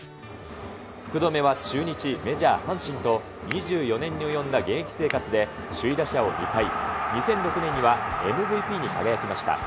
福留は中日、メジャー、阪神と、２４年に及んだ現役生活で首位打者を２回、２００６年にはＭＶＰに輝きました。